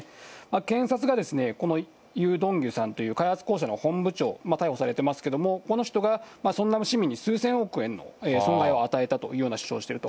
検察がですね、このユ・ドンギュさんっていう開発公社の本部長、逮捕されてますけれども、この人がソンナム市民に数千億円の損害を与えたというような主張をしていると。